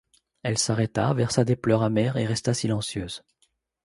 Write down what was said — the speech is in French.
Elle s’arrêta, versa des pleurs amers et resta silencieuse.